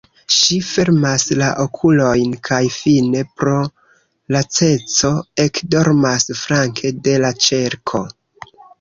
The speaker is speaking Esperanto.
Ŝi fermas la okulojn kaj fine pro laceco ekdormas flanke de la ĉerko.